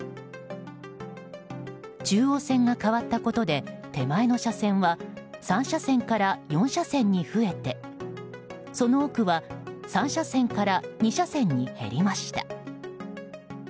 中央線が変わったことで手前の車線は３車線から４車線に増えてその奥は３車線から２車線に減りました。